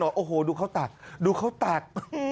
ริมถนนโอ้โหดูเขาตัดดูเขาตัด